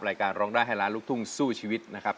รายการร้องได้ให้ล้านลูกทุ่งสู้ชีวิตนะครับ